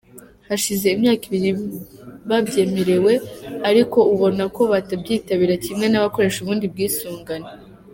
Hashize imyaka ibiri babyemerewe, ariko ubona ko batabyitabira kimwe n’abakoresha ubundi bwisungane.